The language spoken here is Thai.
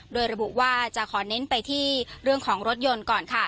โดยระบุว่าจะขอเน้นไปที่เรื่องของรถยนต์ก่อนค่ะ